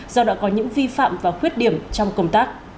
do đã có những vi phạm và khuyết điểm trong công tác